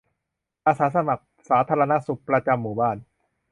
อาสาสมัครสาธารณสุขประจำหมู่บ้าน